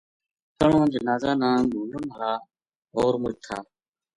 تنہاں جنازاں نا ڈھونڈن ہالاں ہور مچ تھا۔